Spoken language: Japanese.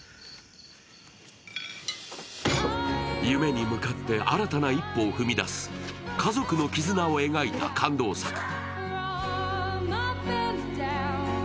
夢に向かって新たな一歩を踏み出す家族の絆を描いた感動作。